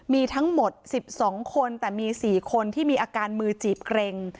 มีทั้งหมด๑๒คนแต่มี๔คนที่มีอาการมือจีบเกร็ง